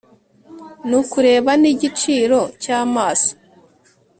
Nukureba n igiciro cy amaso